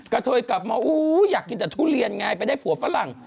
เทยกลับมาอยากกินแต่ทุเรียนไงไปได้ผัวฝรั่ง